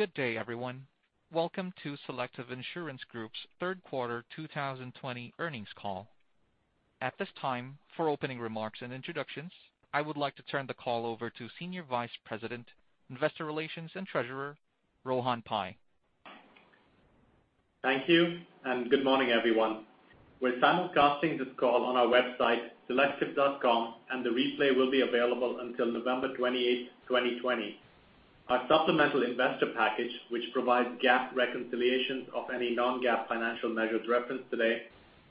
Good day, everyone. Welcome to Selective Insurance Group's third quarter 2020 earnings call. At this time, for opening remarks and introductions, I would like to turn the call over to Senior Vice President, Investor Relations and Treasurer, Rohan Pai. Thank you. Good morning, everyone. We're simulcasting this call on our website, selective.com. The replay will be available until November 28, 2020. Our supplemental investor package, which provides GAAP reconciliations of any non-GAAP financial measures referenced today,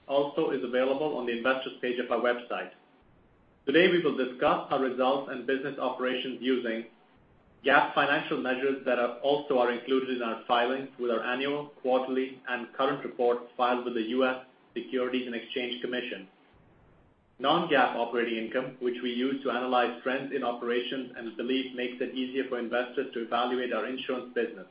also is available on the investor's page of our website. Today, we will discuss our results and business operations using GAAP financial measures that also are included in our filings with our annual, quarterly, and current reports filed with the U.S. Securities and Exchange Commission, non-GAAP operating income, which we use to analyze trends in operations and believe makes it easier for investors to evaluate our insurance business.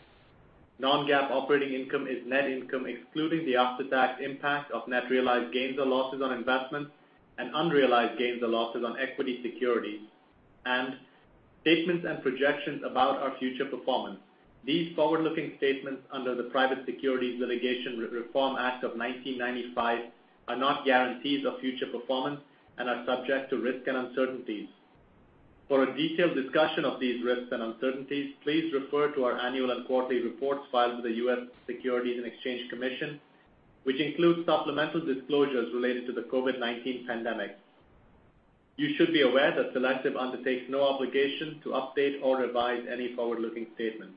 Non-GAAP operating income is net income excluding the after-tax impact of net realized gains or losses on investments and unrealized gains or losses on equity securities, and statements and projections about our future performance. These forward-looking statements under the Private Securities Litigation Reform Act of 1995 are not guarantees of future performance and are subject to risk and uncertainties. For a detailed discussion of these risks and uncertainties, please refer to our annual and quarterly reports filed with the U.S. Securities and Exchange Commission, which includes supplemental disclosures related to the COVID-19 pandemic. You should be aware that Selective undertakes no obligation to update or revise any forward-looking statements.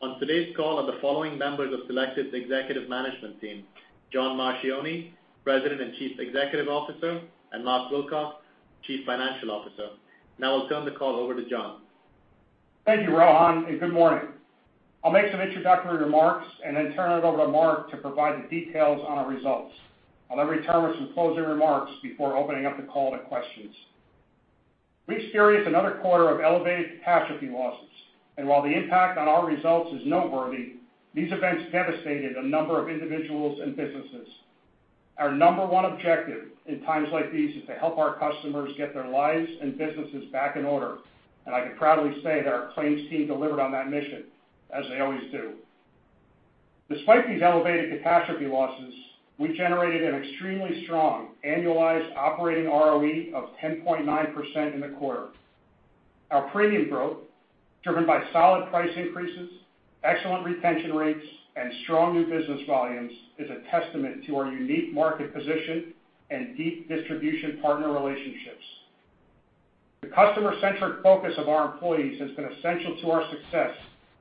On today's call are the following members of Selective's executive management team: John Marchioni, President and Chief Executive Officer, and Mark Wilcox, Chief Financial Officer. I'll turn the call over to John. Thank you, Rohan. Good morning. I'll make some introductory remarks. Then turn it over to Mark to provide the details on our results. I'll then return with some closing remarks before opening up the call to questions. We experienced another quarter of elevated catastrophe losses. While the impact on our results is noteworthy, these events devastated a number of individuals and businesses. Our number one objective in times like these is to help our customers get their lives and businesses back in order. I can proudly say that our claims team delivered on that mission, as they always do. Despite these elevated catastrophe losses, we generated an extremely strong annualized operating ROE of 10.9% in the quarter. Our premium growth, driven by solid price increases, excellent retention rates, and strong new business volumes, is a testament to our unique market position and deep distribution partner relationships. The customer-centric focus of our employees has been essential to our success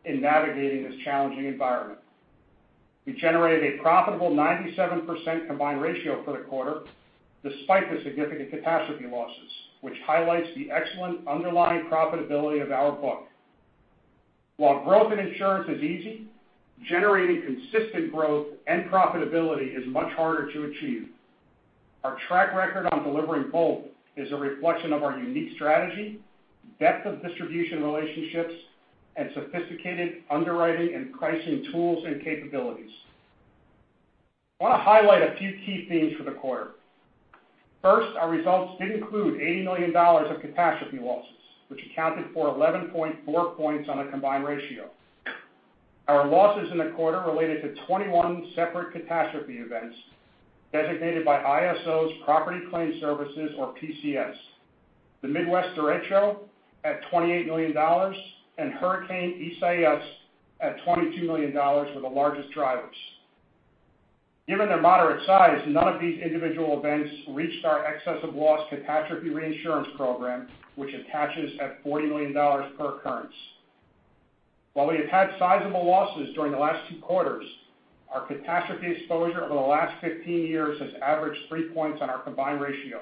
in navigating this challenging environment. We generated a profitable 97% combined ratio for the quarter, despite the significant catastrophe losses, which highlights the excellent underlying profitability of our book. While growth in insurance is easy, generating consistent growth and profitability is much harder to achieve. Our track record on delivering both is a reflection of our unique strategy, depth of distribution relationships, and sophisticated underwriting and pricing tools and capabilities. I want to highlight a few key themes for the quarter. First, our results did include $80 million of catastrophe losses, which accounted for 11.4 points on a combined ratio. Our losses in the quarter related to 21 separate catastrophe events designated by ISO's Property Claims Services, or PCS. The Midwest derecho at $28 million and Hurricane Isaias at $22 million were the largest drivers. Given their moderate size, none of these individual events reached our excess of loss catastrophe reinsurance program, which attaches at $40 million per occurrence. While we have had sizable losses during the last two quarters, our catastrophe exposure over the last 15 years has averaged three points on our combined ratio.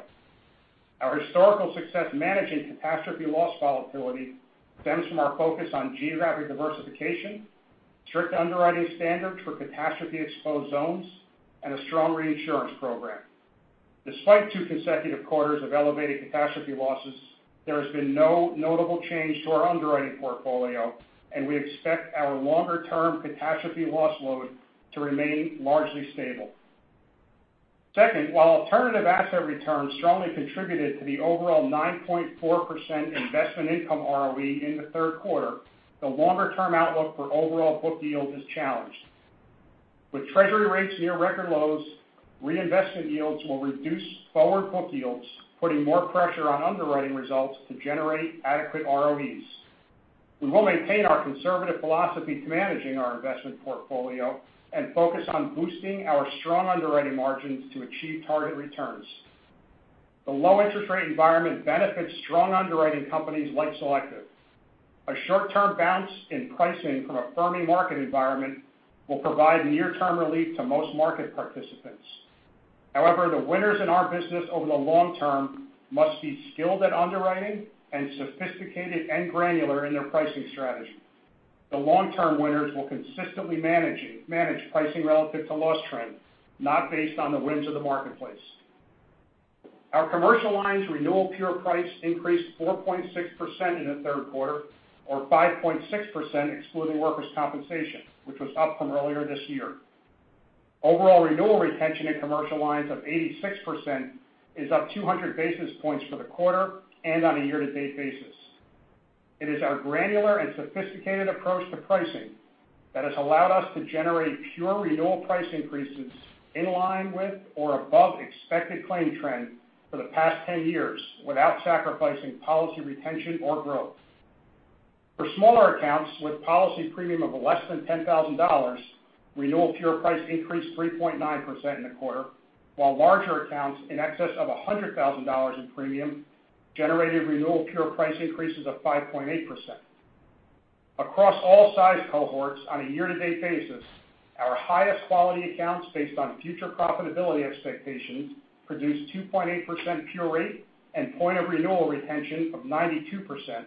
Our historical success managing catastrophe loss volatility stems from our focus on geographic diversification, strict underwriting standards for catastrophe-exposed zones, and a strong reinsurance program. Despite two consecutive quarters of elevated catastrophe losses, there has been no notable change to our underwriting portfolio, and we expect our longer-term catastrophe loss load to remain largely stable. Second, while alternative asset returns strongly contributed to the overall 9.4% investment income ROE in the third quarter, the longer-term outlook for overall book yield is challenged. With treasury rates near record lows, reinvestment yields will reduce forward book yields, putting more pressure on underwriting results to generate adequate ROEs. We will maintain our conservative philosophy to managing our investment portfolio and focus on boosting our strong underwriting margins to achieve target returns. The low interest rate environment benefits strong underwriting companies like Selective. A short-term bounce in pricing from a firming market environment will provide near-term relief to most market participants. The winners in our business over the long term must be skilled at underwriting and sophisticated and granular in their pricing strategy. The long-term winners will consistently manage pricing relative to loss trends, not based on the whims of the marketplace. Our commercial lines renewal pure price increased 4.6% in the third quarter, or 5.6% excluding workers' compensation, which was up from earlier this year. Overall renewal retention in commercial lines of 86% is up 200 basis points for the quarter and on a year-to-date basis. It is our granular and sophisticated approach to pricing that has allowed us to generate pure renewal price increases in line with or above expected claim trend for the past 10 years without sacrificing policy retention or growth. For smaller accounts with policy premium of less than $10,000, renewal pure price increased 3.9% in the quarter, while larger accounts in excess of $100,000 in premium generated renewal pure price increases of 5.8%. Across all size cohorts on a year-to-date basis, our highest quality accounts, based on future profitability expectations, produced 2.8% pure rate and point of renewal retention of 92%,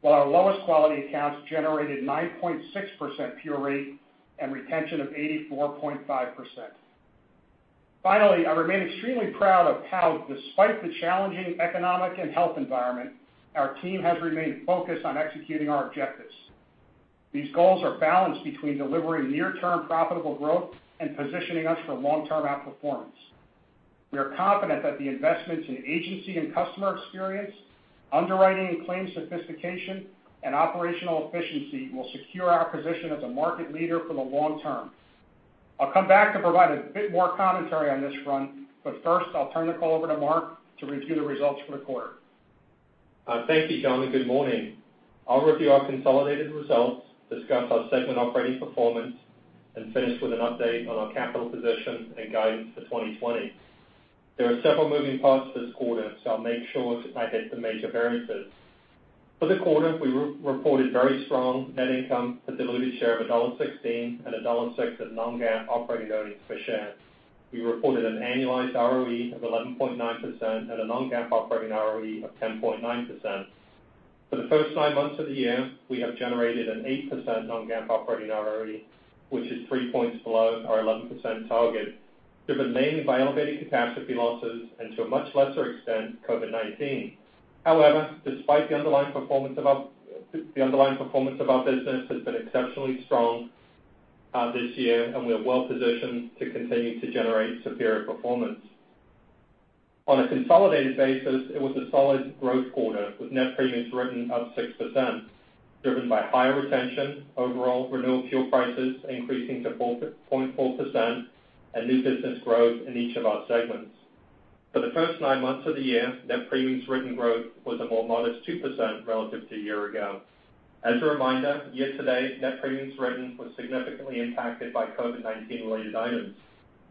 while our lowest quality accounts generated 9.6% pure rate and retention of 84.5%. I remain extremely proud of how, despite the challenging economic and health environment, our team has remained focused on executing our objectives. These goals are balanced between delivering near-term profitable growth and positioning us for long-term outperformance. We are confident that the investments in agency and customer experience, underwriting and claims sophistication, and operational efficiency will secure our position as a market leader for the long term. I'll come back to provide a bit more commentary on this front, but first, I'll turn the call over to Mark Wilcox to review the results for the quarter. Thank you, John, and good morning. I'll review our consolidated results, discuss our segment operating performance, and finish with an update on our capital position and guidance for 2020. There are several moving parts this quarter, I'll make sure to highlight the major variances. For the quarter, we reported very strong net income for diluted share of $1.16 and $1.06 of non-GAAP operating earnings per share. We reported an annualized ROE of 11.9% and a non-GAAP operating ROE of 10.9%. For the first nine months of the year, we have generated an 8% non-GAAP operating ROE, which is three points below our 11% target, driven mainly by elevated catastrophe losses and to a much lesser extent, COVID-19. Despite the underlying performance of our business has been exceptionally strong this year, and we are well positioned to continue to generate superior performance. On a consolidated basis, it was a solid growth quarter with net premiums written up 6%, driven by higher retention, overall renewal pure prices increasing to 4.4%, and new business growth in each of our segments. For the first nine months of the year, net premiums written growth was a more modest 2% relative to a year ago. As a reminder, year-to-date net premiums written was significantly impacted by COVID-19 related items,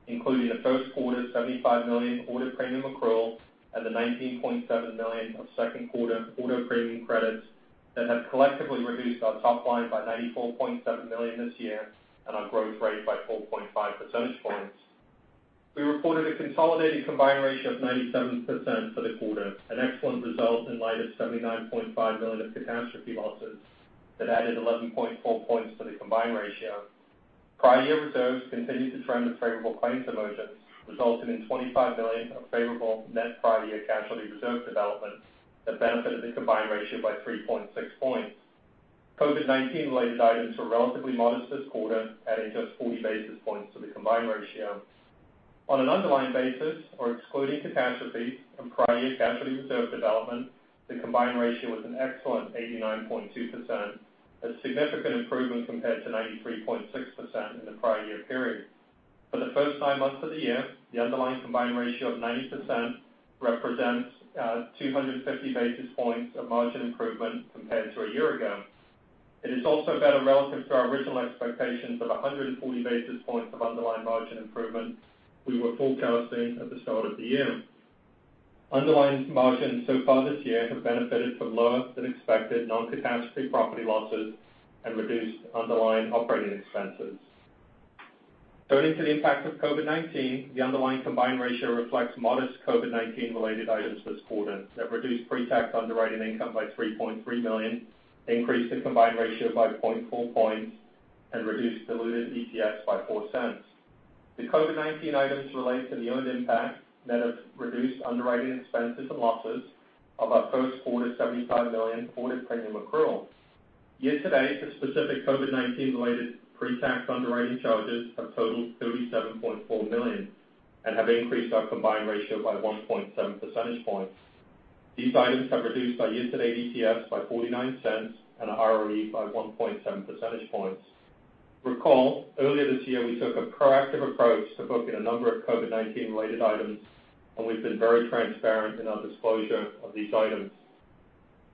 including the first quarter $75 million audit premium accrual and the $19.7 million of second-quarter audit premium credits that have collectively reduced our top line by $94.7 million this year and our growth rate by 4.5 percentage points. We reported a consolidated combined ratio of 97% for the quarter, an excellent result in light of $79.5 million of catastrophe losses that added 11.4 points to the combined ratio. Prior year reserves continued to trend with favorable claims emergence, resulting in $25 million of favorable net prior year casualty reserve developments that benefited the combined ratio by 3.6 points. COVID-19-related items were relatively modest this quarter, adding just 40 basis points to the combined ratio. On an underlying basis or excluding catastrophes and prior year casualty reserve development, the combined ratio was an excellent 89.2%, a significant improvement compared to 93.6% in the prior year period. For the first nine months of the year, the underlying combined ratio of 90% represents 250 basis points of margin improvement compared to a year ago. It is also better relative to our original expectations of 140 basis points of underlying margin improvement we were forecasting at the start of the year. Underlying margins so far this year have benefited from lower than expected non-catastrophe property losses and reduced underlying operating expenses. Turning to the impact of COVID-19, the underlying combined ratio reflects modest COVID-19 related items this quarter that reduced pre-tax underwriting income by $3.3 million, increased the combined ratio by 0.4 points, and reduced diluted EPS by $0.04. The COVID-19 items relate to the earned impact, net of reduced underwriting expenses and losses of our first quarter $75 million audit premium accrual. Year-to-date, the specific COVID-19 related pre-tax underwriting charges have totaled $37.4 million and have increased our combined ratio by 1.7 percentage points. These items have reduced our year-to-date EPS by $0.49 and our ROE by 1.7 percentage points. Recall, earlier this year, we took a proactive approach to booking a number of COVID-19 related items, and we've been very transparent in our disclosure of these items.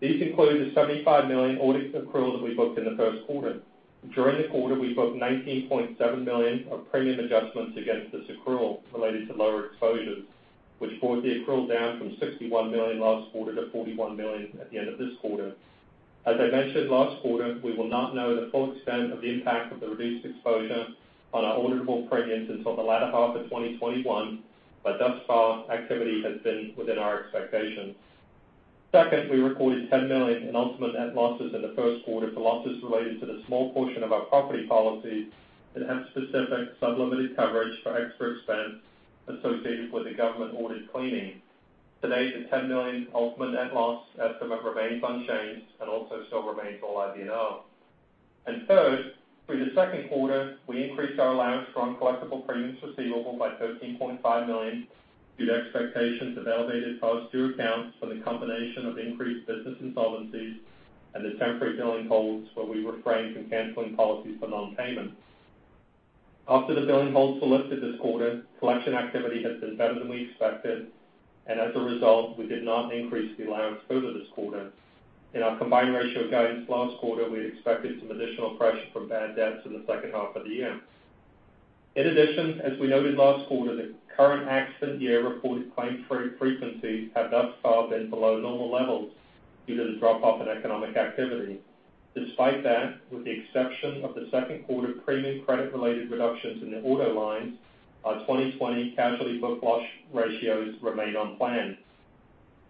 These include the $75 million audit accrual that we booked in the first quarter. During the quarter, we booked $19.7 million of premium adjustments against this accrual related to lower exposures, which brought the accrual down from $61 million last quarter to $41 million at the end of this quarter. As I mentioned last quarter, we will not know the full extent of the impact of the reduced exposure on our auditable premiums until the latter half of 2021, but thus far, activity has been within our expectations. Second, we recorded $10 million in ultimate net losses in the first quarter for losses related to the small portion of our property policies that had specific sub-limited coverage for extra expense associated with a government-ordered cleaning. To date, the $10 million ultimate net loss estimate remains unchanged and also still remains all IBNR. Third, for the second quarter, we increased our allowance for uncollectible premiums receivable by $13.5 million due to expectations of elevated past due accounts for the combination of increased business insolvencies and the temporary billing holds where we refrained from canceling policies for non-payment. After the billing holds lifted this quarter, collection activity has been better than we expected, and as a result, we did not increase the allowance further this quarter. In our combined ratio guidance last quarter, we expected some additional pressure from bad debts in the second half of the year. In addition, as we noted last quarter, the current accident year reported claim frequencies have thus far been below normal levels due to the drop-off in economic activity. Despite that, with the exception of the second quarter premium credit-related reductions in the auto lines, our 2020 casualty book loss ratios remain on plan.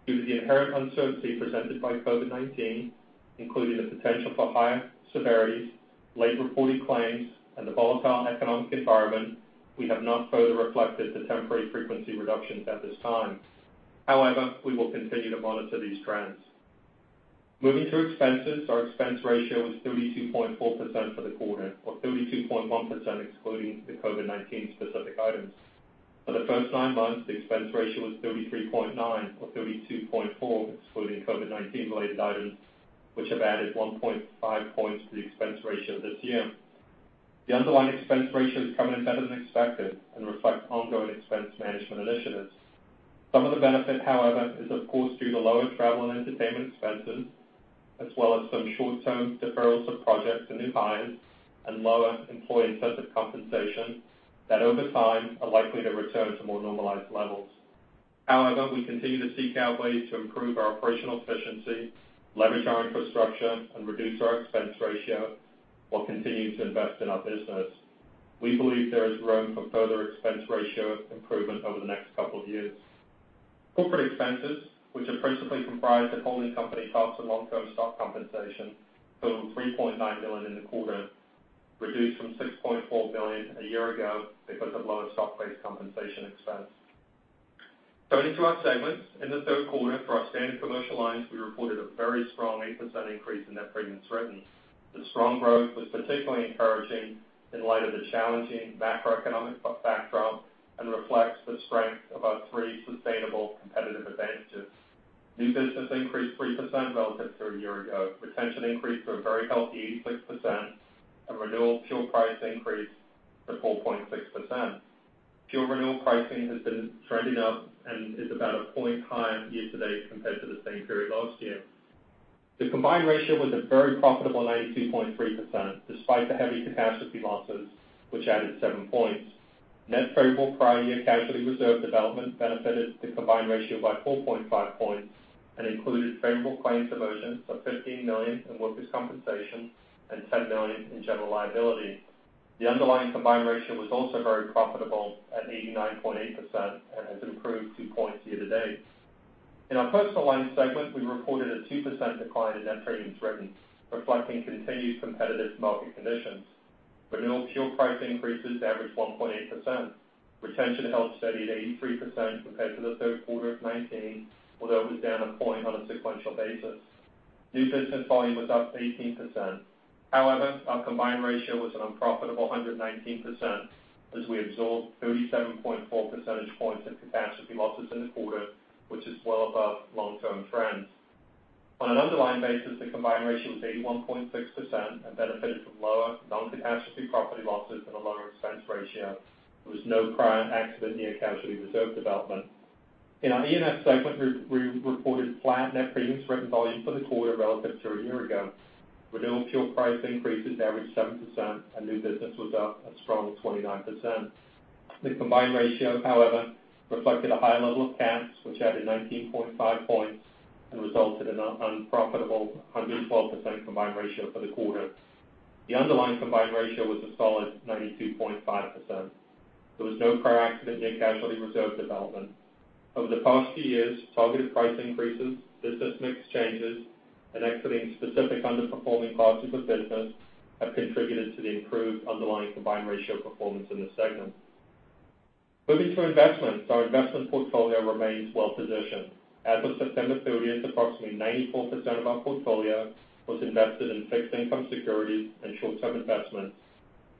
Due to the inherent uncertainty presented by COVID-19, including the potential for higher severities, late reported claims, and the volatile economic environment, we have not further reflected the temporary frequency reductions at this time. However, we will continue to monitor these trends. Moving to expenses, our expense ratio was 32.4% for the quarter, or 32.1% excluding the COVID-19 specific items. For the first nine months, the expense ratio was 33.9% or 32.4% excluding COVID-19 related items, which have added 1.5 points to the expense ratio this year. The underlying expense ratio is coming in better than expected and reflects ongoing expense management initiatives. Some of the benefit, however, is of course due to lower travel and entertainment expenses, as well as some short-term deferrals of projects and new hires and lower employee incentive compensation that over time are likely to return to more normalized levels. We continue to seek out ways to improve our operational efficiency, leverage our infrastructure, and reduce our expense ratio while continuing to invest in our business. We believe there is room for further expense ratio improvement over the next couple of years. Corporate expenses, which are principally comprised of holding company costs and long-term stock compensation, totaled $3.9 million in the quarter, reduced from $6.4 million a year ago because of lower stock-based compensation expense. Going into our segments. In the third quarter for our standard commercial lines, we reported a very strong 8% increase in net premiums written. The strong growth was particularly encouraging in light of the challenging macroeconomic backdrop and reflects the strength of our three sustainable competitive advantages. New business increased 3% relative to a year ago. Retention increased to a very healthy 86%, and renewal pure price increased to 4.6%. Pure renewal pricing has been trending up and is about a point higher year to date compared to the same period last year. The combined ratio was a very profitable 92.3%, despite the heavy catastrophe losses, which added seven points. Net favorable prior year casualty reserve development benefited the combined ratio by 4.5 points and included favorable claims emergence of $15 million in workers' compensation and $10 million in general liability. The underlying combined ratio was also very profitable at 89.8% and has improved two points year to date. In our personal lines segment, we reported a 2% decline in net premiums written, reflecting continued competitive market conditions. Renewal pure price increases averaged 1.8%. Retention held steady at 83% compared to the third quarter of 2019, although it was down a point on a sequential basis. Our combined ratio was an unprofitable 119% as we absorbed 37.4 percentage points in catastrophe losses in the quarter, which is well above long-term trends. On an underlying basis, the combined ratio was 81.6% and benefited from lower non-catastrophe property losses and a lower expense ratio. There was no prior accident year casualty reserve development. In our E&S segment, we reported flat net premiums written volume for the quarter relative to a year ago. Renewal pure price increases averaged 7%, and new business was up a strong 29%. The combined ratio, however, reflected a high level of cats, which added 19.5 points and resulted in an unprofitable 112% combined ratio for the quarter. The underlying combined ratio was a solid 92.5%. There was no prior accident year casualty reserve development. Over the past few years, targeted price increases, business mix changes, and exiting specific underperforming parts of the business have contributed to the improved underlying combined ratio performance in this segment. Moving to investments. Our investment portfolio remains well-positioned. As of September 30th, approximately 94% of our portfolio was invested in fixed income securities and short-term investments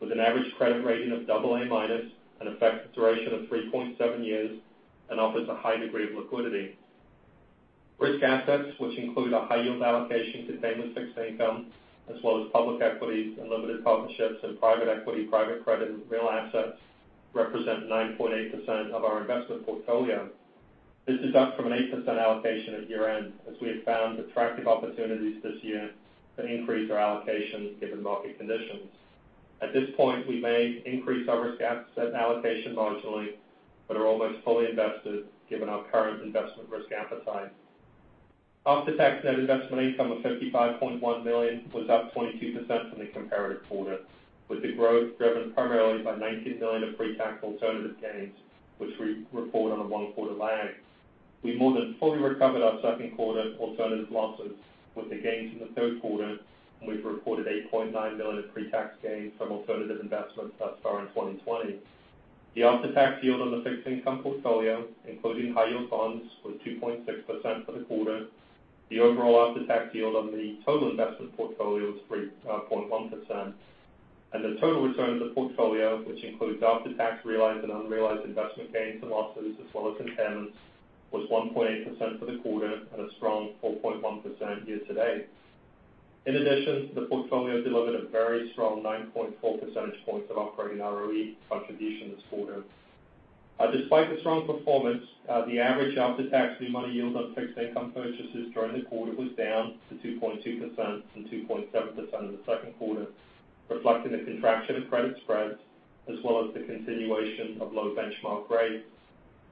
with an average credit rating of double A minus, an effective duration of 3.7 years, and offers a high degree of liquidity. Risk assets, which include a high-yield allocation to diversified fixed income, as well as public equities and limited partnerships in private equity, private credit, and real assets, represent 9.8% of our investment portfolio. This is up from an 8% allocation at year-end as we have found attractive opportunities this year to increase our allocation given market conditions. At this point, we may increase our risk asset allocation marginally but are almost fully invested given our current investment risk appetite. After-tax net investment income of $55.1 million was up 22% from the comparative quarter, with the growth driven primarily by $19 million of pre-tax alternative gains, which we report on a one-quarter lag. We more than fully recovered our second quarter alternative losses with the gains in the third quarter, and we've reported $8.9 million of pre-tax gains from alternative investments thus far in 2020. The after-tax yield on the fixed income portfolio, including high-yield bonds, was 2.6% for the quarter. The overall after-tax yield on the total investment portfolio was 3.1%. The total return of the portfolio, which includes after-tax realized and unrealized investment gains and losses, as well as impairments, was 1.8% for the quarter and a strong 4.1% year-to-date. In addition, the portfolio delivered a very strong 9.4 percentage points of operating ROE contribution this quarter. Despite the strong performance, the average after-tax new money yield on fixed income purchases during the quarter was down to 2.2% from 2.7% in the second quarter, reflecting the contraction of credit spreads, as well as the continuation of low benchmark rates.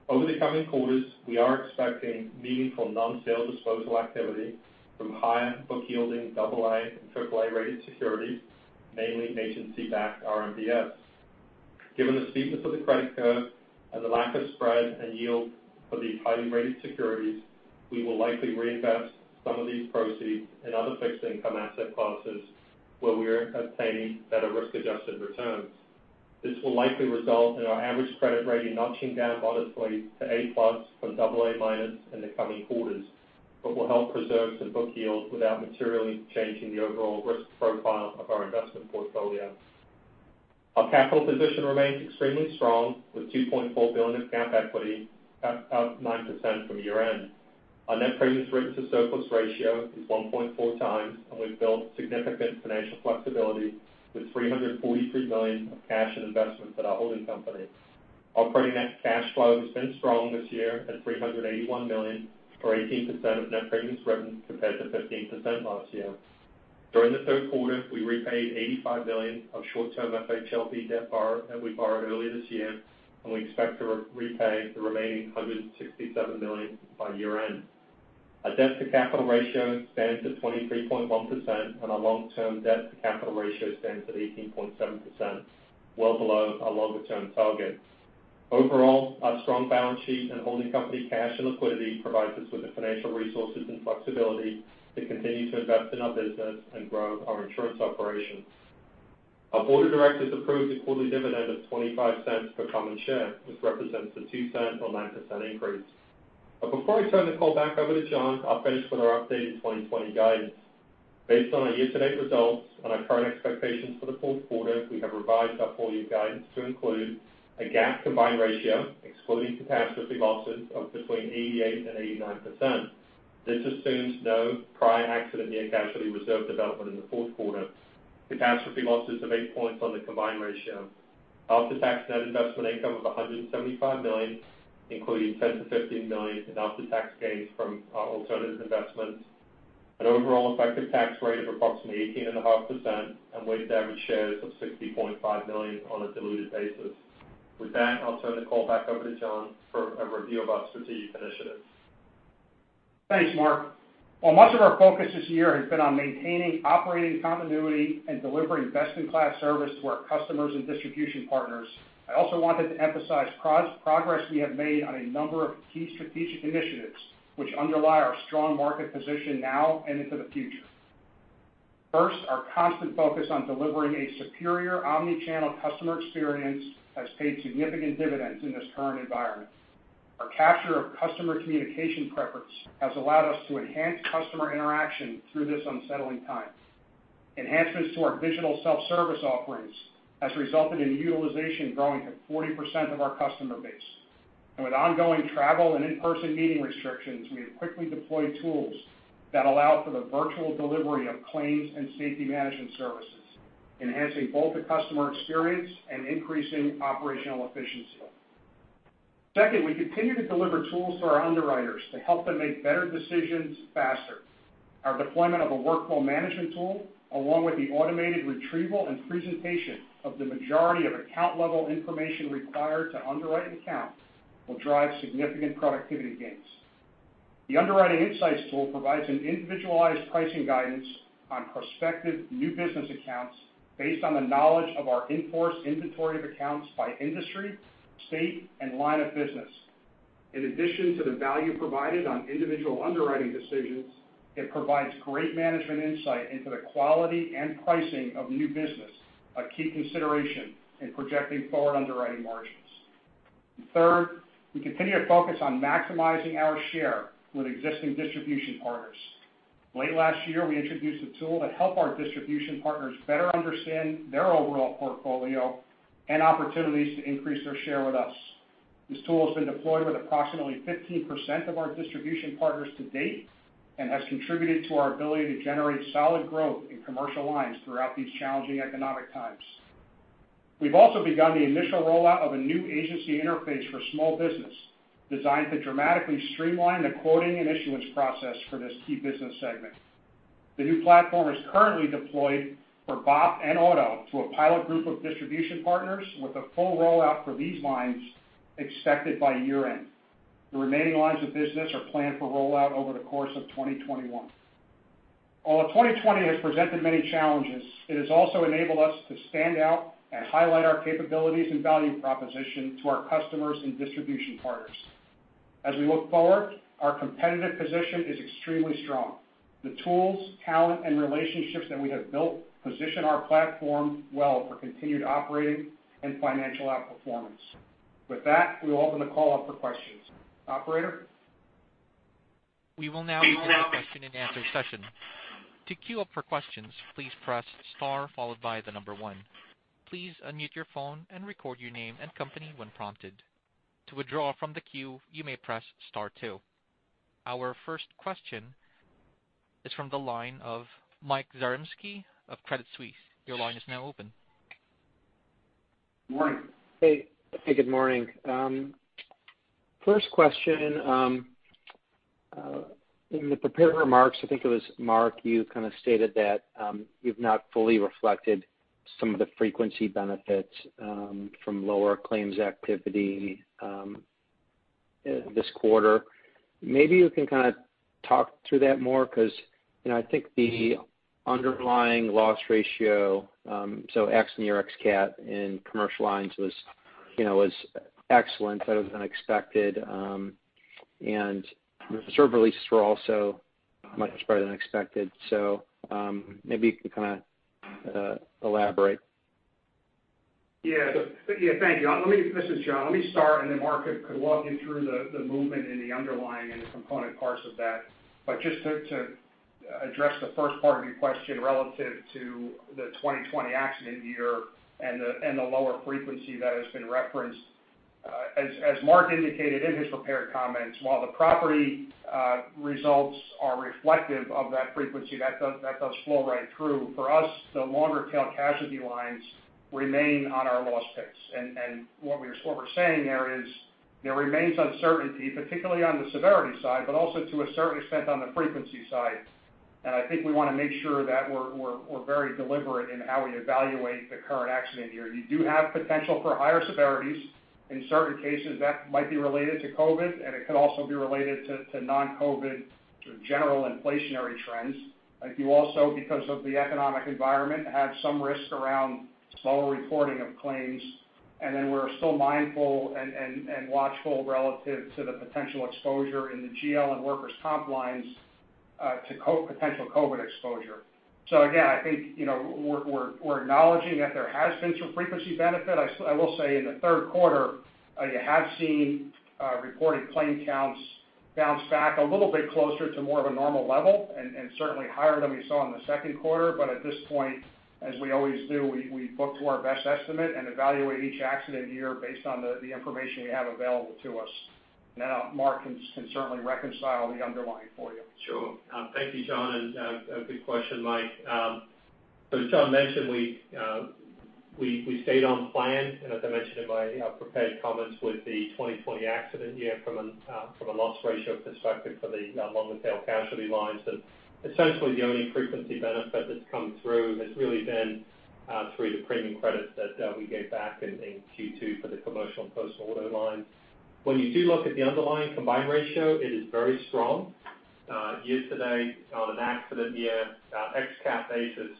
Over the coming quarters, we are expecting meaningful non-sale disposal activity from higher book yielding double A and triple A-rated securities, namely agency-backed RMBS. Given the steepness of the credit curve and the lack of spread and yield for these highly rated securities, we will likely reinvest some of these proceeds in other fixed income asset classes where we are obtaining better risk-adjusted returns. This will likely result in our average credit rating notching down modestly to A+ from double A- in the coming quarters, but will help preserve some book yield without materially changing the overall risk profile of our investment portfolio. Our capital position remains extremely strong, with $2.4 billion of GAAP equity, up 9% from year-end. Our net premiums written to surplus ratio is 1.4 times, and we've built significant financial flexibility with $343 million of cash and investments at our holding company. Operating net cash flow has been strong this year at $381 million, or 18% of net premiums written compared to 15% last year. During the third quarter, we repaid $85 million of short-term FHLB debt that we borrowed earlier this year, and we expect to repay the remaining $167 million by year-end. Our debt-to-capital ratio stands at 23.1%, and our long-term debt-to-capital ratio stands at 18.7%, well below our longer-term targets. Overall, our strong balance sheet and holding company cash and liquidity provides us with the financial resources and flexibility to continue to invest in our business and grow our insurance operations. Our board of directors approved a quarterly dividend of $0.25 per common share, which represents a $0.02 or 9% increase. Before I turn the call back over to John, I'll finish with our updated 2020 guidance. Based on our year-to-date results and our current expectations for the fourth quarter, we have revised our full-year guidance to include a GAAP combined ratio excluding catastrophe losses of between 88% and 89%. This assumes no prior accident year casualty reserve development in the fourth quarter. Catastrophe losses of eight points on the combined ratio. After-tax net investment income of $175 million, including $10 million-$15 million in after-tax gains from our alternative investments. An overall effective tax rate of approximately 18.5%, and weighted average shares of 60.5 million on a diluted basis. With that, I'll turn the call back over to John for a review of our strategic initiatives. Thanks, Mark. While much of our focus this year has been on maintaining operating continuity and delivering best-in-class service to our customers and distribution partners, I also wanted to emphasize progress we have made on a number of key strategic initiatives, which underlie our strong market position now and into the future. First, our constant focus on delivering a superior omni-channel customer experience has paid significant dividends in this current environment. Our capture of customer communication preference has allowed us to enhance customer interaction through this unsettling time. Enhancements to our digital self-service offerings has resulted in utilization growing to 40% of our customer base. With ongoing travel and in-person meeting restrictions, we have quickly deployed tools that allow for the virtual delivery of claims and safety management services, enhancing both the customer experience and increasing operational efficiency. Second, we continue to deliver tools to our underwriters to help them make better decisions faster. Our deployment of a workflow management tool, along with the automated retrieval and presentation of the majority of account-level information required to underwrite an account, will drive significant productivity gains. The underwriting insights tool provides an individualized pricing guidance on prospective new business accounts based on the knowledge of our in-force inventory of accounts by industry, state, and line of business. In addition to the value provided on individual underwriting decisions, it provides great management insight into the quality and pricing of new business, a key consideration in projecting forward underwriting margins. Third, we continue to focus on maximizing our share with existing distribution partners. Late last year, we introduced a tool to help our distribution partners better understand their overall portfolio and opportunities to increase their share with us. This tool has been deployed with approximately 15% of our distribution partners to date and has contributed to our ability to generate solid growth in commercial lines throughout these challenging economic times. We've also begun the initial rollout of a new agency interface for small business, designed to dramatically streamline the quoting and issuance process for this key business segment. The new platform is currently deployed for BOP and commercial auto to a pilot group of distribution partners with a full rollout for these lines expected by year-end. The remaining lines of business are planned for rollout over the course of 2021. While 2020 has presented many challenges, it has also enabled us to stand out and highlight our capabilities and value proposition to our customers and distribution partners. As we look forward, our competitive position is extremely strong. The tools, talent, and relationships that we have built position our platform well for continued operating and financial outperformance. With that, we'll open the call up for questions. Operator? We will now begin the question and answer session. To queue up for questions, please press star followed by the number 1. Please unmute your phone and record your name and company when prompted. To withdraw from the queue, you may press star 2. Our first question is from the line of Michael Zaremski of Credit Suisse. Your line is now open. Morning. Hey, good morning. First question. In the prepared remarks, I think it was Mark, you stated that you've not fully reflected some of the frequency benefits from lower claims activity this quarter. Maybe you can kind of talk through that more because, I think the underlying loss ratio, so ex-cat in commercial lines was excellent, better than expected. The reserve releases were also much better than expected. Maybe you can elaborate. Yes. Thank you. This is John. Let me start, then Mark could walk you through the movement in the underlying and the component parts of that. Just to address the first part of your question relative to the 2020 accident year and the lower frequency that has been referenced. As Mark indicated in his prepared comments, while the property results are reflective of that frequency, that does flow right through. For us, the longer tail casualty lines remain on our loss picks. What we're saying there is there remains uncertainty, particularly on the severity side, but also to a certain extent on the frequency side. I think we want to make sure that we're very deliberate in how we evaluate the current accident year. You do have potential for higher severities. In certain cases, that might be related to COVID, and it could also be related to non-COVID general inflationary trends. I think you also, because of the economic environment, have some risk around slower reporting of claims. We're still mindful and watchful relative to the potential exposure in the GL and workers' comp lines, to potential COVID exposure. Again, I think, we're acknowledging that there has been some frequency benefit. I will say in the third quarter, you have seen reported claim counts bounce back a little bit closer to more of a normal level and certainly higher than we saw in the second quarter. At this point, as we always do, we book to our best estimate and evaluate each accident year based on the information we have available to us. Mark can certainly reconcile the underlying for you. Sure. Thank you, John, and good question, Mike. As John mentioned, we stayed on plan, and as I mentioned in my prepared comments with the 2020 accident year from a loss ratio perspective for the longer tail casualty lines. Essentially, the only frequency benefit that's come through has really been through the premium credits that we gave back in Q2 for the commercial and personal auto lines. When you do look at the underlying combined ratio, it is very strong. Year to date on an accident year, ex-cat basis,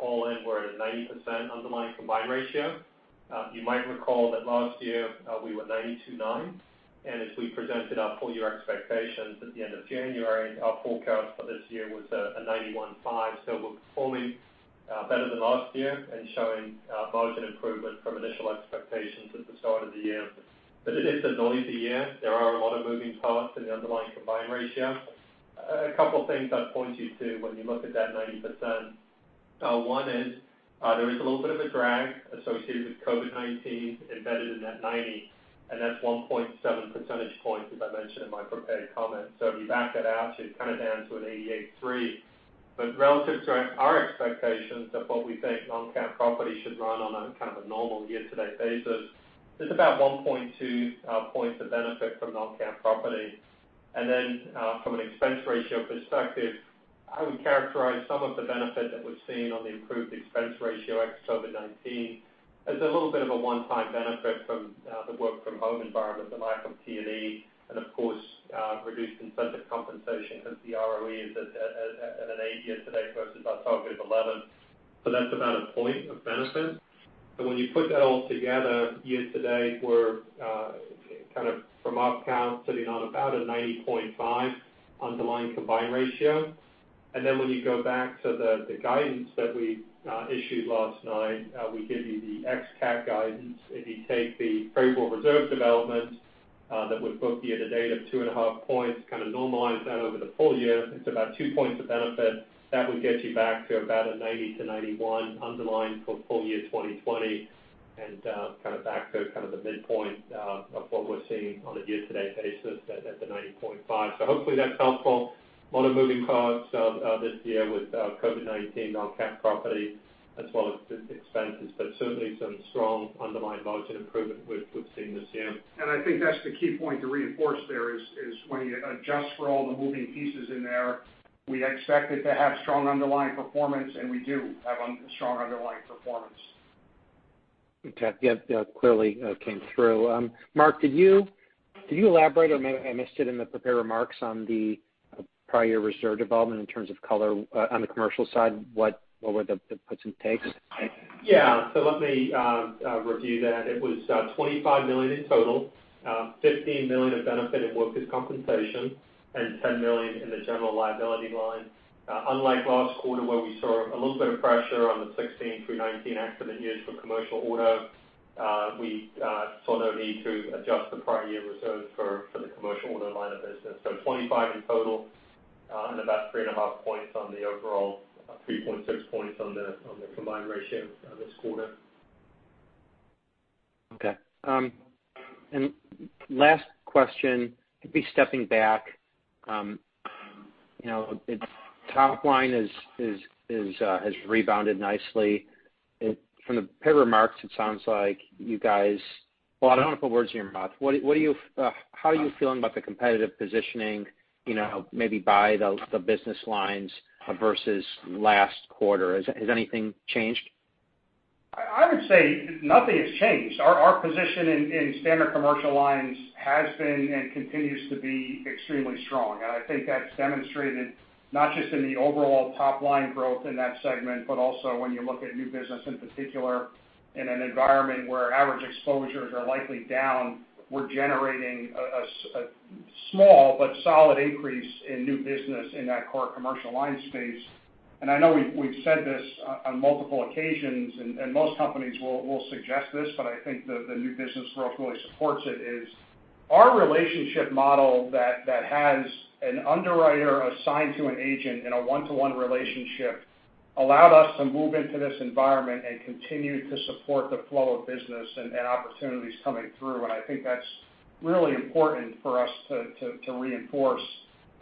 all in we're at a 90% underlying combined ratio. You might recall that last year, we were 92.9. As we presented our full year expectations at the end of January, our forecast for this year was a 91.5. We're performing better than last year and showing margin improvement from initial expectations at the start of the year. It is a noisy year. There are a lot of moving parts in the underlying combined ratio. A couple of things I'd point you to when you look at that 90%. One is, there is a little bit of a drag associated with COVID-19 embedded in that 90%, and that's 1.7 percentage points, as I mentioned in my prepared comments. If you back that out, you're kind of down to an 88.3%. Relative to our expectations of what we think non-cat property should run on a kind of a normal year-to-date basis, it's about 1.2 percentage points of benefit from non-cat property. From an expense ratio perspective, I would characterize some of the benefit that we've seen on the improved expense ratio ex-COVID-19 as a little bit of a one-time benefit from the work from home environment, the lack of T&E, and of course, reduced incentive compensation because the ROE is at an 8% year to date versus our target of 11%. That's about a point of benefit. When you put that all together, year to date we're from our count, sitting on about a 90.5% underlying combined ratio. When you go back to the guidance that we issued last night, we gave you the ex-cat guidance. If you take the favorable reserve development that we've booked year to date of 2.5 percentage points, kind of normalize that over the full year, it's about 2 percentage points of benefit. That would get you back to about a 90-91 underlying for full year 2020 and back to the midpoint of what we're seeing on a year-to-date basis at the 90.5. Hopefully that's helpful. A lot of moving parts this year with COVID-19, non-cat property as well as expenses, but certainly some strong underlying margin improvement we've seen this year. I think that's the key point to reinforce there is when you adjust for all the moving pieces in there, we expected to have strong underlying performance, and we do have strong underlying performance. Okay. Yeah, clearly came through. Mark, could you elaborate, or maybe I missed it in the prepared remarks on the prior reserve development in terms of color on the commercial side, what were the puts and takes? Yeah. Let me review that. It was $25 million in total, $15 million of benefit in workers' compensation, and $10 million in the general liability line. Unlike last quarter, where we saw a little bit of pressure on the 2016-2019 accident years for commercial auto, we saw no need to adjust the prior year reserves for the commercial auto line of business. $25 million in total, and about three and a half points on the overall, 3.6 points on the combined ratio this quarter. Last question, maybe stepping back. Its top line has rebounded nicely. From the prepared remarks, it sounds like you. Well, I don't want to put words in your mouth. How are you feeling about the competitive positioning, maybe by the business lines versus last quarter? Has anything changed? I would say nothing has changed. Our position in standard commercial lines has been and continues to be extremely strong. I think that's demonstrated not just in the overall top-line growth in that segment, but also when you look at new business in particular, in an environment where average exposures are likely down, we're generating a small but solid increase in new business in that core commercial line space. I know we've said this on multiple occasions, and most companies will suggest this, but I think the new business growth really supports it, is our relationship model that has an underwriter assigned to an agent in a one-to-one relationship allowed us to move into this environment and continue to support the flow of business and opportunities coming through. I think that's really important for us to reinforce.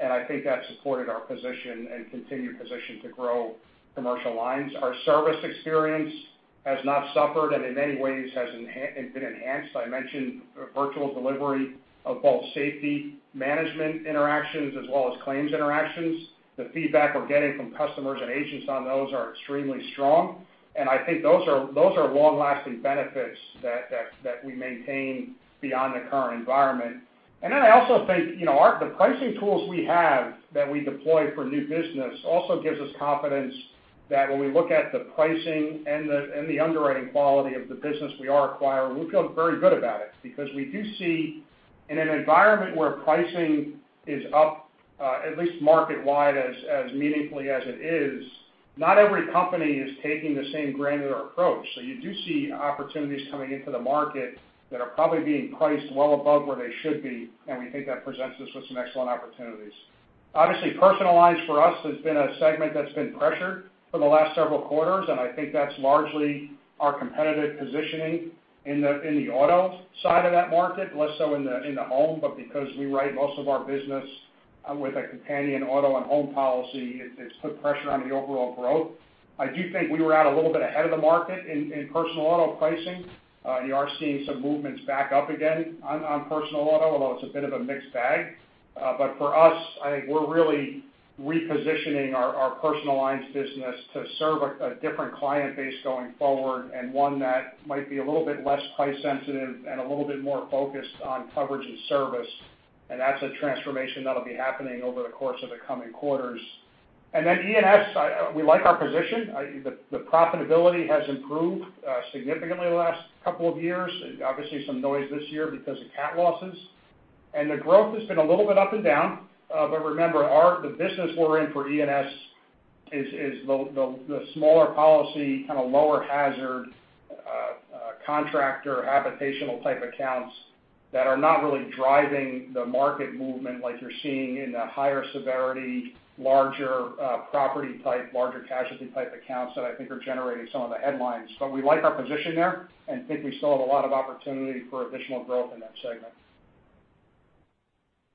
I think that supported our position and continued position to grow commercial lines. Our service experience has not suffered, and in many ways has been enhanced. I mentioned virtual delivery of both safety management interactions as well as claims interactions. The feedback we're getting from customers and agents on those are extremely strong, and I think those are long-lasting benefits that we maintain beyond the current environment. I also think the pricing tools we have that we deploy for new business also gives us confidence that when we look at the pricing and the underwriting quality of the business we are acquiring, we feel very good about it. Because we do see in an environment where pricing is up, at least market wide, as meaningfully as it is, not every company is taking the same granular approach. You do see opportunities coming into the market that are probably being priced well above where they should be, and we think that presents us with some excellent opportunities. Obviously, personal lines for us has been a segment that's been pressured for the last several quarters, and I think that's largely our competitive positioning in the auto side of that market, less so in the home. Because we write most of our business with a companion auto and home policy, it's put pressure on the overall growth. I do think we were out a little bit ahead of the market in personal auto pricing. You are seeing some movements back up again on personal auto, although it's a bit of a mixed bag. For us, I think we're really repositioning our personal lines business to serve a different client base going forward, and one that might be a little bit less price sensitive and a little bit more focused on coverage and service. That's a transformation that'll be happening over the course of the coming quarters. Then E&S, we like our position. The profitability has improved significantly the last couple of years. Obviously, some noise this year because of cat losses. The growth has been a little bit up and down. Remember, the business we're in for E&S is the smaller policy, kind of lower hazard, contractor, habitational type accounts that are not really driving the market movement like you're seeing in the higher severity, larger property type, larger casualty type accounts that I think are generating some of the headlines. We like our position there and think we still have a lot of opportunity for additional growth in that segment.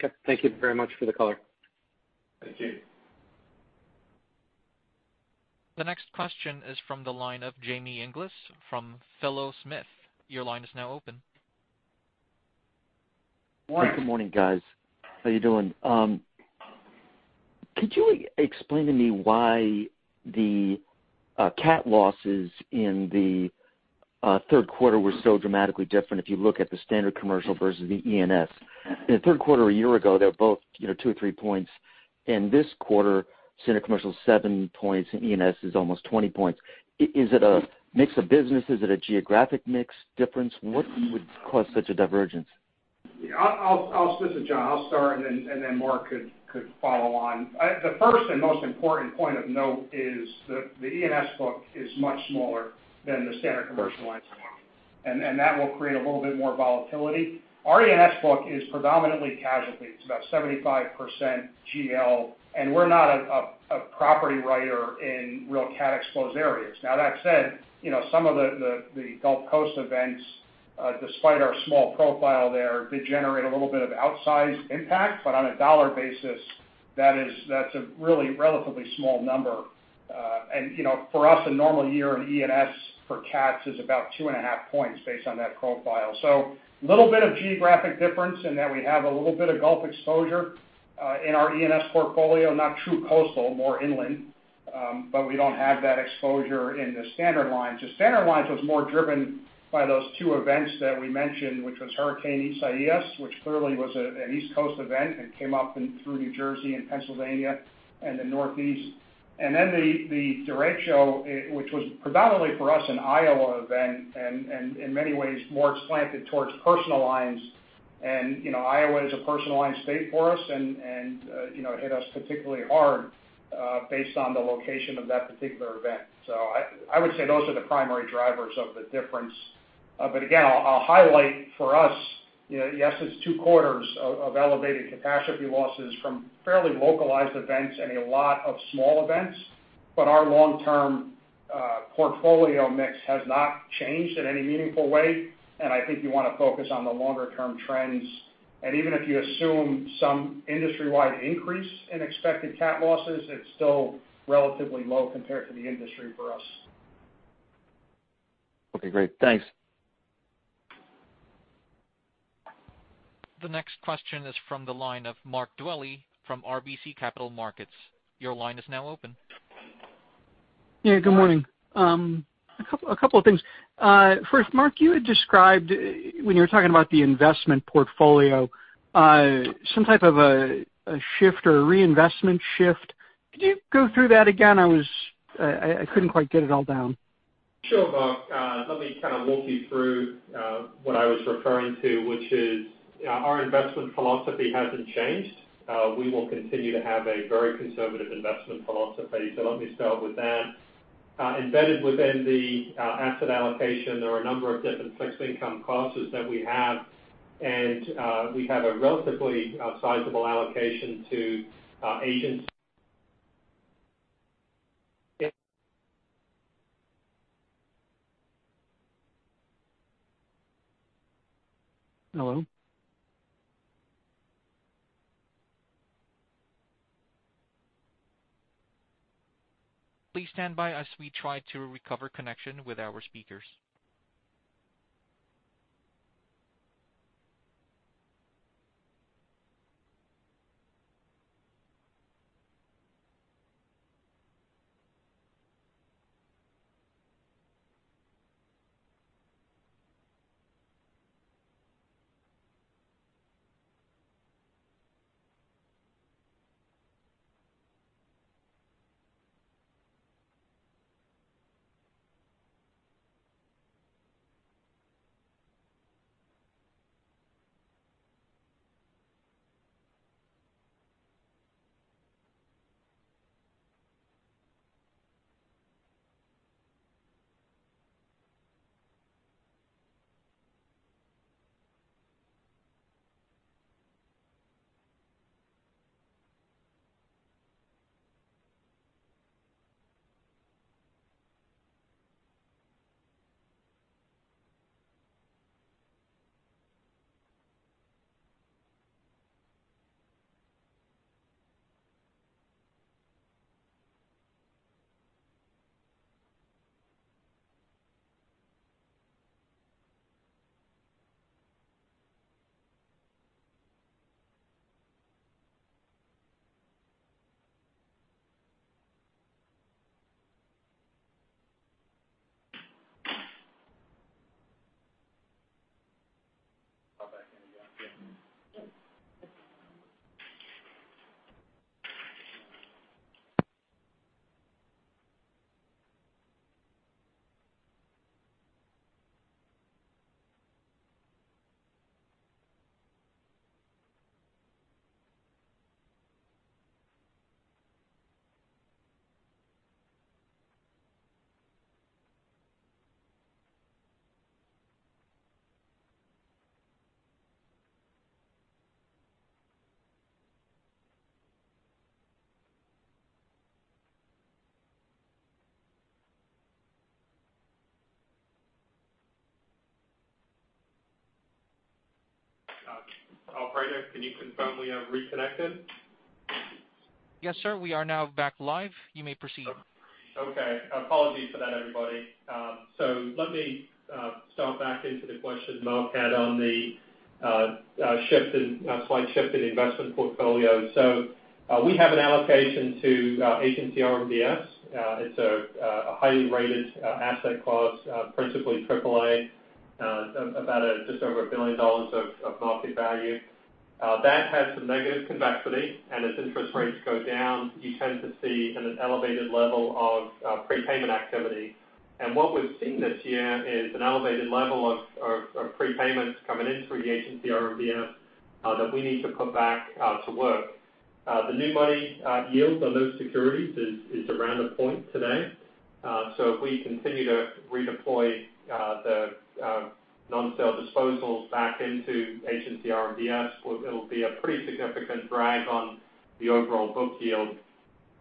Okay. Thank you very much for the color. Thank you. The next question is from the line of Jamie Inglis from Philo Smith. Your line is now open. Good morning guys. How you doing? Could you explain to me why the cat losses in the third quarter were so dramatically different if you look at the standard commercial versus the E&S? In the third quarter a year ago, they're both two or three points. In this quarter, standard commercial is seven points, and E&S is almost 20 points. Is it a mix of business? Is it a geographic mix difference? What would cause such a divergence? This is John. I'll start, then Mark could follow on. The first and most important point of note is the E&S book is much smaller than the standard commercial lines book, and that will create a little bit more volatility. Our E&S book is predominantly casualty. It's about 75% GL, and we're not a property writer in real cat-exposed areas. That said, some of the Gulf Coast events, despite our small profile there, did generate a little bit of outsized impact. On a dollar basis, that's a really relatively small number. For us, a normal year in E&S for cats is about two and a half points based on that profile. A little bit of geographic difference in that we have a little bit of Gulf exposure, in our E&S portfolio, not true coastal, more inland. We don't have that exposure in the standard lines. The standard lines was more driven by those two events that we mentioned, which was Hurricane Isaias, which clearly was an East Coast event and came up through New Jersey and Pennsylvania and the Northeast. Then the derecho, which was predominantly for us, an Iowa event, in many ways more slanted towards personal lines. Iowa is a personal line state for us, and it hit us particularly hard based on the location of that particular event. I would say those are the primary drivers of the difference. Again, I'll highlight for us, yes, it's two quarters of elevated catastrophe losses from fairly localized events and a lot of small events. But our long-term portfolio mix has not changed in any meaningful way. I think you want to focus on the longer-term trends. Even if you assume some industry-wide increase in expected cat losses, it's still relatively low compared to the industry for us. Okay, great. Thanks. The next question is from the line of Mark Dwelle from RBC Capital Markets. Your line is now open. Good morning. A couple of things. First, Mark, you had described when you were talking about the investment portfolio, some type of a shift or a reinvestment shift. Could you go through that again? I couldn't quite get it all down. Sure, Mark. Let me kind of walk you through what I was referring to, which is our investment philosophy hasn't changed. We will continue to have a very conservative investment philosophy. Let me start with that. Embedded within the asset allocation, there are a number of different fixed income classes that we have, and we have a relatively sizable allocation to agency- Hello? Please stand by as we try to recover connection with our speakers. Operator, can you confirm we have reconnected? Yes, sir. We are now back live. You may proceed. Okay. Apologies for that, everybody. Let me start back into the question Mark had on the slight shift in investment portfolio. We have an allocation to agency RMBS. It's a highly rated asset class, principally AAA, about just over $1 billion of market value. That has some negative convexity. As interest rates go down, you tend to see an elevated level of prepayment activity. What we've seen this year is an elevated level of prepayments coming in through the agency RMBS that we need to put back to work. The new money yields on those securities is around a point today. If we continue to redeploy the non-sale disposals back into agency RMBS, it'll be a pretty significant drag on the overall book yield.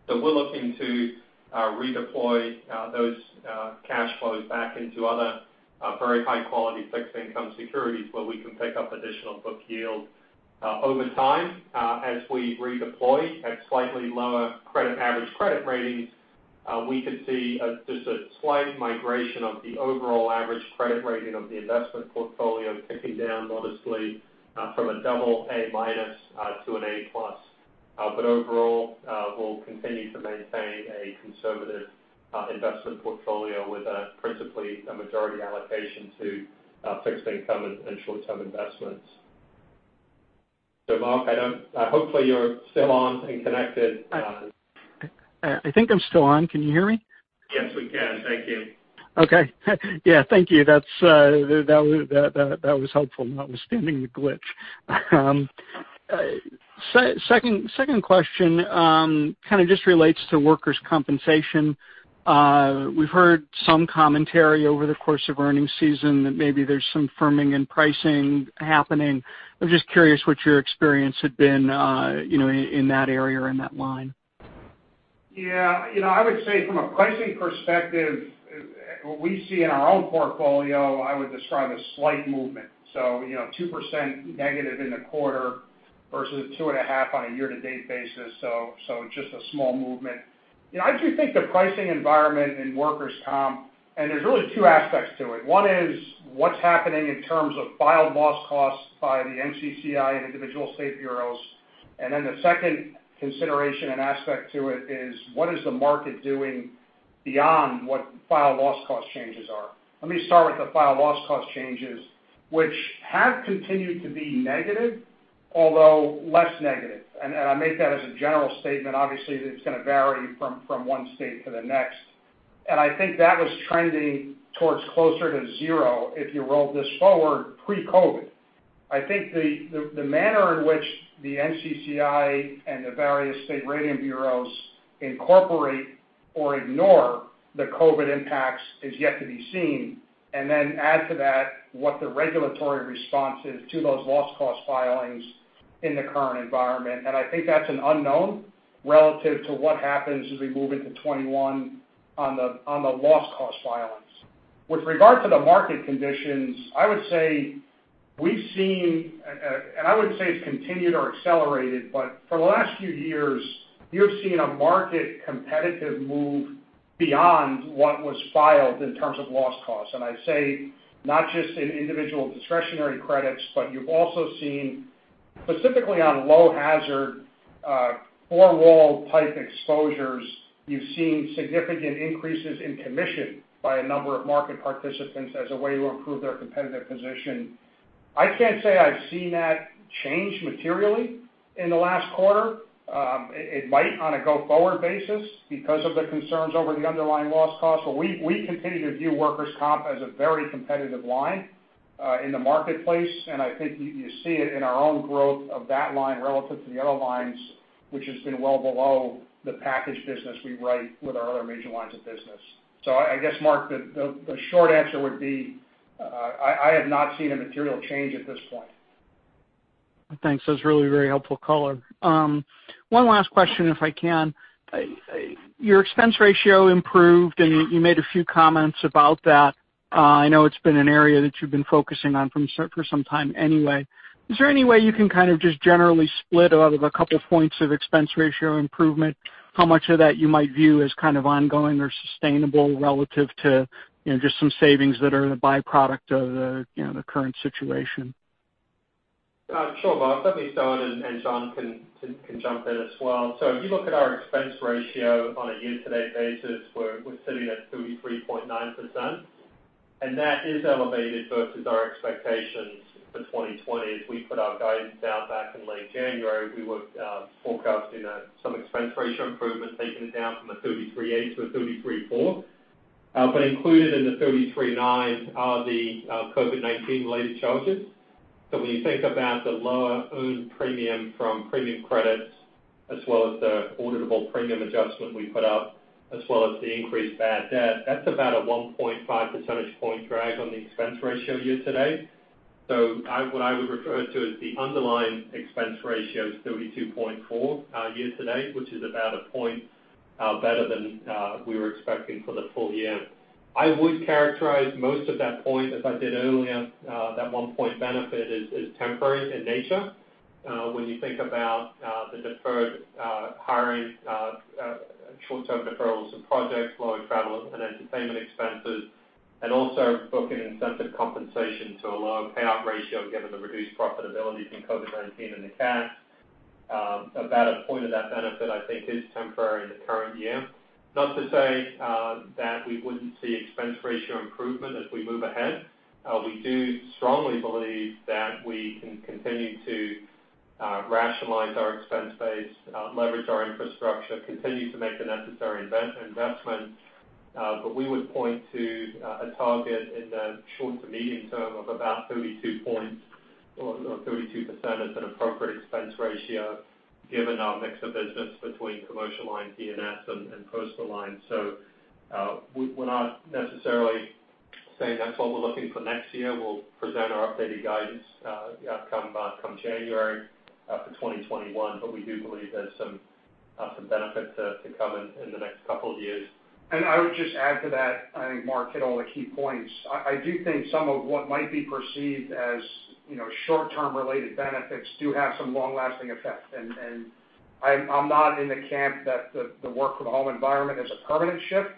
We're looking to redeploy those cash flows back into other very high-quality fixed income securities where we can pick up additional book yield. Over time, as we redeploy at slightly lower average credit ratings, we could see just a slight migration of the overall average credit rating of the investment portfolio ticking down modestly from a AA- to an A+. Overall, we'll continue to maintain a conservative investment portfolio with principally a majority allocation to fixed income and short-term investments. Mark, hopefully you're still on and connected. I think I'm still on. Can you hear me? Yes, we can. Thank you. Okay. Yeah, thank you. That was helpful, notwithstanding the glitch. Second question kind of just relates to workers' compensation. We've heard some commentary over the course of earnings season that maybe there's some firming in pricing happening. I'm just curious what your experience had been in that area or in that line. Yeah. I would say from a pricing perspective, what we see in our own portfolio, I would describe as slight movement. 2% negative in the quarter versus 2.5% on a year-to-date basis. Just a small movement. I do think the pricing environment in workers' comp, there's really two aspects to it. One is what's happening in terms of filed loss costs by the NCCI and individual state bureaus, the second consideration and aspect to it is, what is the market doing beyond what filed loss cost changes are? Let me start with the filed loss cost changes, which have continued to be negative, although less negative. I make that as a general statement. Obviously, it's going to vary from one state to the next. I think that was trending towards closer to zero if you rolled this forward pre-COVID. I think the manner in which the NCCI and the various state rating bureaus incorporate or ignore the COVID impacts is yet to be seen, add to that what the regulatory response is to those loss cost filings in the current environment. I think that's an unknown relative to what happens as we move into 2021 on the loss cost filings. With regard to the market conditions, I would say we've seen, I wouldn't say it's continued or accelerated, but for the last few years, you've seen a market competitive move beyond what was filed in terms of loss costs. I say not just in individual discretionary credits, but you've also seen, specifically on low hazard, four-wall type exposures, you've seen significant increases in commission by a number of market participants as a way to improve their competitive position. I can't say I've seen that change materially in the last quarter. It might on a go-forward basis because of the concerns over the underlying loss cost, but we continue to view workers' comp as a very competitive line in the marketplace, I think you see it in our own growth of that line relative to the other lines, which has been well below the package business we write with our other major lines of business. I guess, Mark, the short answer would be, I have not seen a material change at this point. Thanks. That's really very helpful color. One last question, if I can. Your expense ratio improved, and you made a few comments about that. I know it's been an area that you've been focusing on for some time anyway. Is there any way you can kind of just generally split out of a couple points of expense ratio improvement, how much of that you might view as kind of ongoing or sustainable relative to just some savings that are the byproduct of the current situation? Sure, Mark. Let me start, and John can jump in as well. If you look at our expense ratio on a year-to-date basis, we're sitting at 33.9%, and that is elevated versus our expectations for 2020. As we put our guidance out back in late January, we were forecasting some expense ratio improvements, taking it down from a 33.8 to a 33.4. Included in the 33.9 are the COVID-19 related charges. When you think about the lower earned premium from premium credits, as well as the auditable premium adjustment we put up, as well as the increased bad debt, that's about a 1.5 percentage point drag on the expense ratio year to date. What I would refer to as the underlying expense ratio is 32.4 year to date, which is about a point better than we were expecting for the full year. I would characterize most of that point as I did earlier, that one-point benefit is temporary in nature. When you think about the deferred hiring, short-term deferrals of projects, lower travel and entertainment expenses, and also booking incentive compensation to a lower payout ratio given the reduced profitability from COVID-19 in the CAT, about a point of that benefit, I think, is temporary in the current year. Not to say that we wouldn't see expense ratio improvement as we move ahead. We do strongly believe that we can continue to rationalize our expense base, leverage our infrastructure, continue to make the necessary investments, but we would point to a target in the short to medium term of about 32 points or 32% as an appropriate expense ratio given our mix of business between commercial lines, E&S, and personal lines. We're not necessarily saying that's what we're looking for next year. We'll present our updated guidance come January for 2021, but we do believe there's some benefit to come in the next couple of years. I would just add to that, I think Mark hit all the key points. I do think some of what might be perceived as short-term related benefits do have some long-lasting effects. I'm not in the camp that the work from home environment is a permanent shift.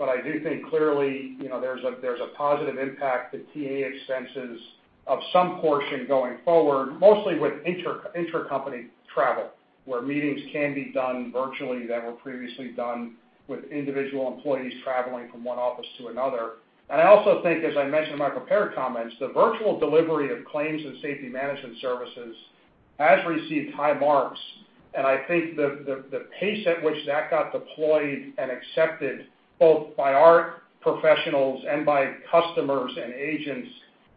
I do think clearly, there's a positive impact to T&E expenses of some portion going forward, mostly with intercompany travel, where meetings can be done virtually that were previously done with individual employees traveling from one office to another. I also think, as I mentioned in my prepared comments, the virtual delivery of claims and safety management services has received high marks, and I think the pace at which that got deployed and accepted, both by our professionals and by customers and agents,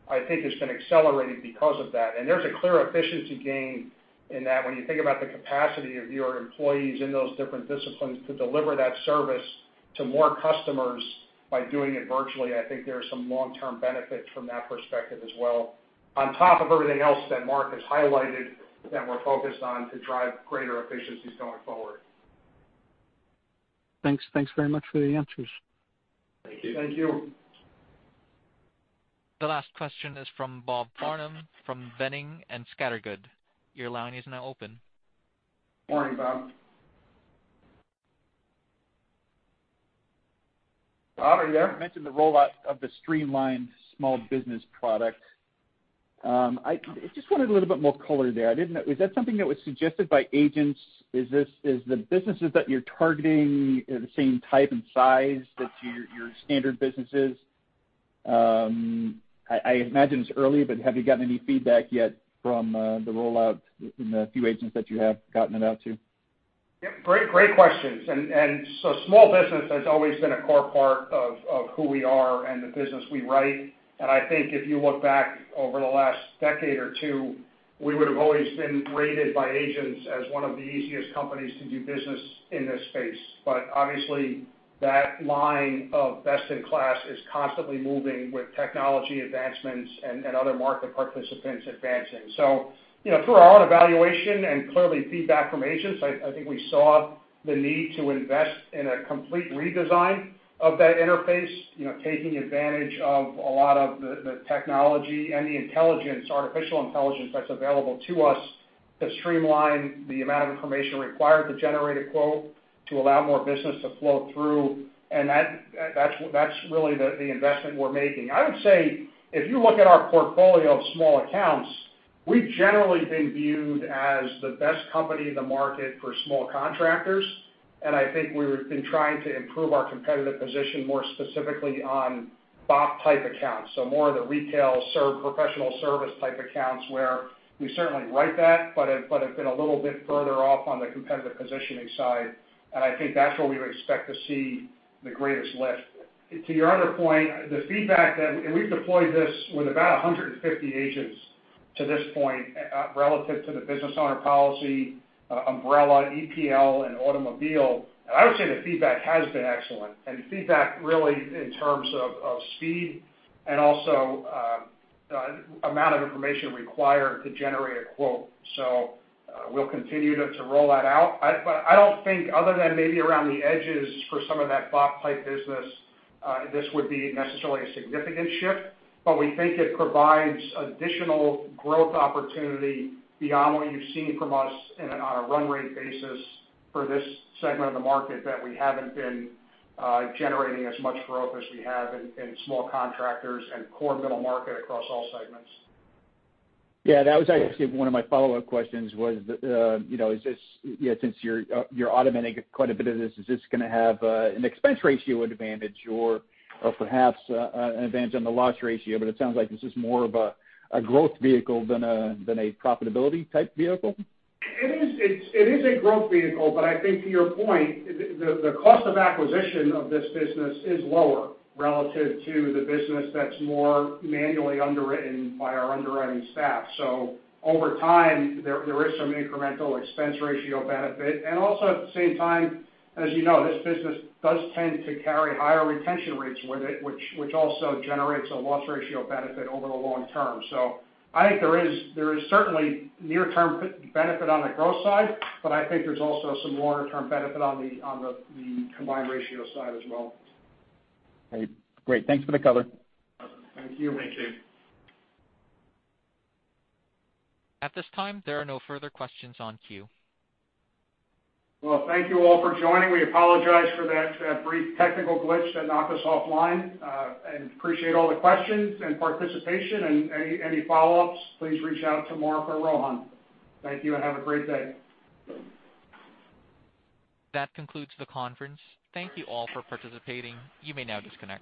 I think has been accelerated because of that. There's a clear efficiency gain in that when you think about the capacity of your employees in those different disciplines to deliver that service to more customers by doing it virtually, I think there are some long-term benefits from that perspective as well, on top of everything else that Mark has highlighted that we're focused on to drive greater efficiencies going forward. Thanks very much for the answers. Thank you. Thank you. The last question is from Bob Farnam from Boenning & Scattergood. Your line is now open. Morning, Bob. Bob, are you there? You mentioned the rollout of the streamlined small business product. I just wanted a little bit more color there. Is that something that was suggested by agents? Is the businesses that you're targeting the same type and size as your standard businesses? I imagine it's early, but have you gotten any feedback yet from the rollout from the few agents that you have gotten it out to? Yeah. Great questions. Small business has always been a core part of who we are and the business we write. I think if you look back over the last decade or two, we would've always been rated by agents as one of the easiest companies to do business in this space. Obviously, that line of best in class is constantly moving with technology advancements and other market participants advancing. Through our own evaluation and clearly feedback from agents, I think we saw the need to invest in a complete redesign of that interface, taking advantage of a lot of the technology and the artificial intelligence that's available to us to streamline the amount of information required to generate a quote, to allow more business to flow through. That's really the investment we're making. I would say, if you look at our portfolio of small accounts, we've generally been viewed as the best company in the market for small contractors, and I think we've been trying to improve our competitive position more specifically on BOP-type accounts. More of the retail, professional service type accounts, where we certainly write that, but have been a little bit further off on the competitive positioning side, and I think that's where we would expect to see the greatest lift. To your other point, the feedback that, we've deployed this with about 150 agents to this point, relative to the business owner policy, umbrella, EPL, and automobile, I would say the feedback has been excellent. Feedback really in terms of speed and also amount of information required to generate a quote. We'll continue to roll that out. I don't think other than maybe around the edges for some of that BOP-type business, this would be necessarily a significant shift, but we think it provides additional growth opportunity beyond what you've seen from us on a run rate basis for this segment of the market that we haven't been generating as much growth as we have in small contractors and core middle market across all segments. That was actually one of my follow-up questions was, since you're automating quite a bit of this, is this going to have an expense ratio advantage or perhaps an advantage on the loss ratio? It sounds like this is more of a growth vehicle than a profitability type vehicle. It is a growth vehicle, I think to your point, the cost of acquisition of this business is lower relative to the business that's more manually underwritten by our underwriting staff. Over time, there is some incremental expense ratio benefit, also at the same time, as you know, this business does tend to carry higher retention rates with it, which also generates a loss ratio benefit over the long term. I think there is certainly near-term benefit on the growth side, I think there's also some longer-term benefit on the combined ratio side as well. Great. Thanks for the color. Thank you. Thank you. At this time, there are no further questions in queue. Well, thank you all for joining. We apologize for that brief technical glitch that knocked us offline. Appreciate all the questions and participation, and any follow-ups, please reach out to Mark or Rohan. Thank you, and have a great day. That concludes the conference. Thank you all for participating. You may now disconnect.